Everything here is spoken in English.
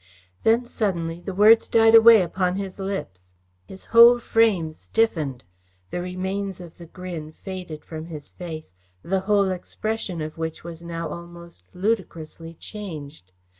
Then suddenly the words died away upon his lips. His whole frame stiffened. The remains of the grin faded from his face, the whole expression of which was now almost ludicrously changed.